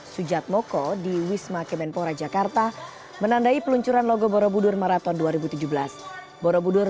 sujatmoko di wisma kemenpora jakarta menandai peluncuran logo borobudur marathon dua ribu tujuh belas borobudur